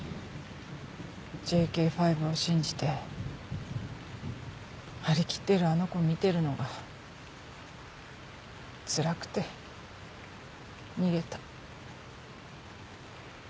ＪＫ５を信じて張り切ってるあの子見てるのがつらくて逃げた。